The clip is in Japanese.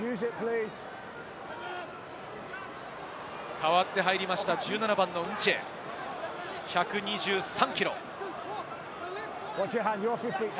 代わって入った１７番のンチェ、１２３ｋｇ。